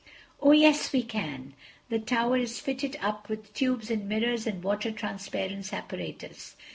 "Oh, yes, we can. The tower is fitted up with tubes and mirrors and water transparence apparatus.